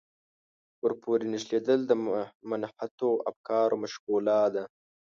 ورپورې نښلېدل د منحطو افکارو مشغولا ده.